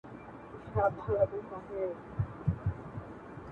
ويل پزه دي ورپرې کړه د زمريانو